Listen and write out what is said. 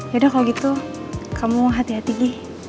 yaudah kalau gitu kamu hati hati deh